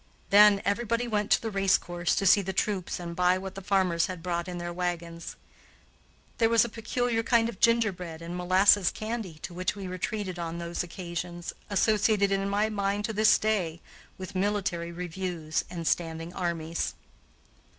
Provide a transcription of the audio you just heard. Then everybody went to the race course to see the troops and buy what the farmers had brought in their wagons. There was a peculiar kind of gingerbread and molasses candy to which we were treated on those occasions, associated in my mind to this day with military reviews and standing armies.